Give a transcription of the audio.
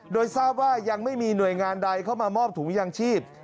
โดยทราบว่ายังไม่มีหน่วยงานใดเข้ามามอบถุงยางชีพ